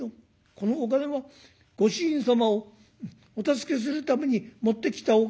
このお金はご主人様をお助けするために持ってきたお金なんです。